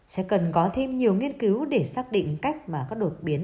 sẽ cần có thêm nhiều nghiên cứu để xác định cách mà các đột biến